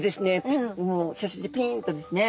もう背筋ピンとですね。